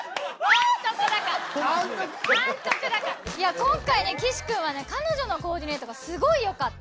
今回ね岸君は彼女のコーディネートすごいよかった。